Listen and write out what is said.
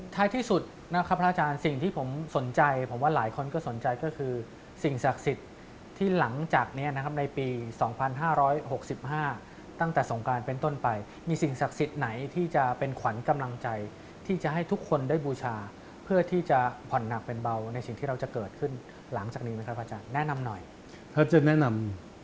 ท้ายที่สุดนะครับพระอาจารย์สิ่งที่ผมสนใจผมว่าหลายคนก็สนใจก็คือสิ่งศักดิ์สิทธิ์ที่หลังจากนี้นะครับในปี๒๕๖๕ตั้งแต่สงการเป็นต้นไปมีสิ่งศักดิ์สิทธิ์ไหนที่จะเป็นขวัญกำลังใจที่จะให้ทุกคนได้บูชาเพื่อที่จะผ่อนหนักเป็นเบาในสิ่งที่เราจะเกิดขึ้นหลังจากนี้ไหมครับอาจารย์แนะนำหน่อยเธอจึงแนะนำ